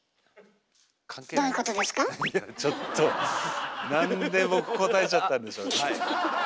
ちょっとなんで僕答えちゃったんでしょうね。